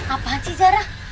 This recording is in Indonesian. apaan sih zara